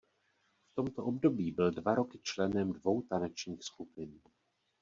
V tomto období byl dva roky členem dvou tanečních skupin.